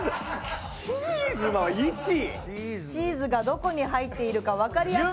チーズがどこに入っているかわかりやすく。